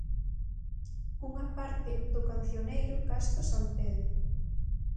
Cunha parte do cancioneiro Casto Sampedro.